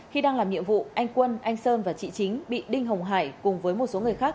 khi đang làm nhiệm vụ anh quân anh sơn và chị chính bị đinh hồng hải cùng với một số người khác